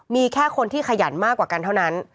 มีแค่คนที่ขยันมากกว่ากันเท่านั้น